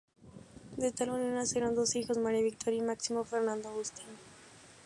De tal unión nacerán dos hijos: María Victoria y Máximo Fernando Agustín.